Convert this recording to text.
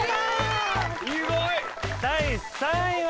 第３位は。